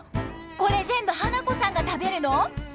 これ全部花子さんが食べるの！？」。